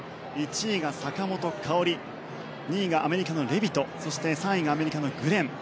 １位が坂本花織２位がアメリカのレビトそして３位がアメリカのグレン。